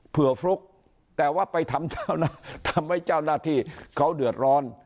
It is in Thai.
ฟลุกแต่ว่าไปทำให้เจ้าหน้าที่เขาเดือดร้อน